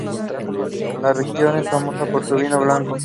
La región es famosa por su vino blanco.